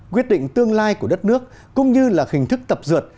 quyết định tương lai của đất nước cũng như là hình thức tập dượt